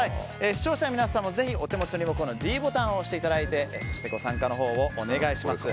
視聴者の皆さんもぜひお手持ちのリモコンのｄボタンを押してご参加をお願いします。